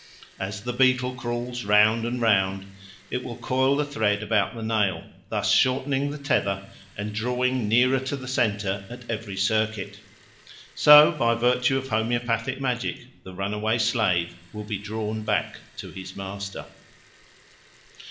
As the beetle crawls round and round, it will coil the thread about the nail, thus shortening its tether and drawing nearer to the centre at every circuit. So by virtue of homoeopathic magic the runaway slave will be drawn back to his master.